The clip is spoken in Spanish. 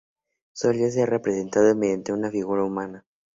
Solía ser representado mediante una figura humana.